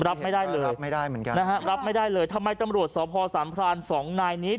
รับไม่ได้เลยรับไม่ได้เลยทำไมตำรวจสภสัมพลาณ๒นายนี้